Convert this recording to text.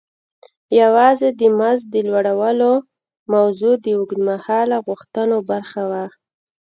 یوازې د مزد د لوړولو موضوع د اوږد مهاله غوښتنو برخه وه.